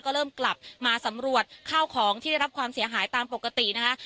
ก็เริ่มกลับมาสำรวจข้าวของที่ได้รับความเสียหายตามปกตินะคะ